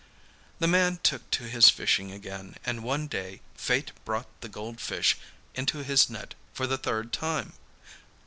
The man took to his fishing again, and one day fate brought the gold fish into his net for the third time.